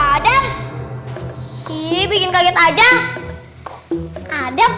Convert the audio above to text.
ada di bikin kaget aja ada